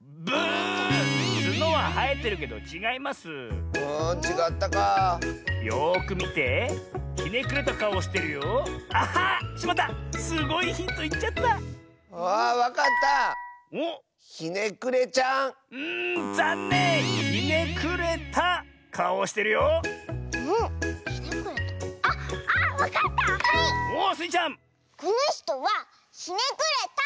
このひとは「ひねくれた」！